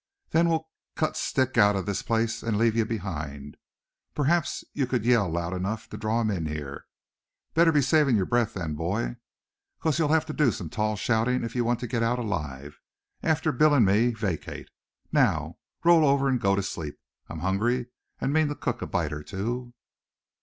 Then we'll cut stick out of this place, and leave ye behind. P'raps so ye cud yell loud enough to draw 'em in here. Better be asavin' of yer breath, boy; 'cause ye'll have to do some tall shoutin' if ye wants to get out alive, arter Bill'n me vacate. Now roll over, and go to sleep. I'm hungry, and mean to cook a bite or two."